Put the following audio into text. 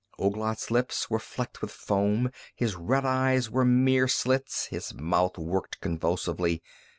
Ouglat's lips were flecked with foam, his red eyes were mere slits, his mouth worked convulsively.